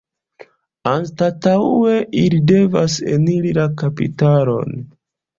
Anstataŭe ili devas eniri la kapitalon.